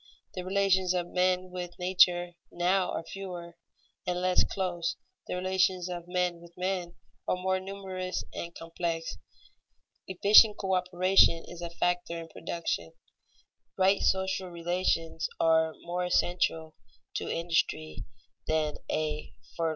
The relations of men with nature now are fewer, and less close; the relations of men with men are more numerous and complex. Efficient coöperation is a factor in production. Right social relations are more essential to industry than a fertile soil.